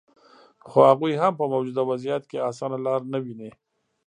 خو هغوي هم په موجوده وضعیت کې اسانه لار نه ویني